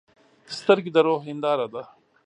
سترګې د روح هنداره ده.